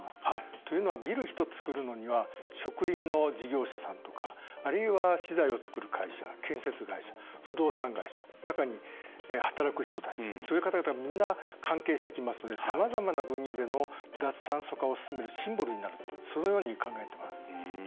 というのはビル１つ造るのには植林の事業者さんとかあるいは資材をつくる会社建設会社、不動産会社中に働く人たち、そういう方々みんな関係してきますのでさまざまな分野での脱炭素化を進めるシンボルになるとそのように考えてます。